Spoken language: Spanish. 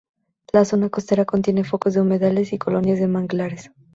La zona costera contiene focos de humedales y colonias de manglares.